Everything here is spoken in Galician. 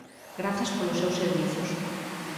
Grazas polos seus servizos.